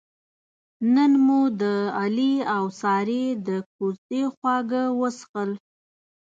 نن مو د علي اوسارې د کوزدې خواږه وڅښل.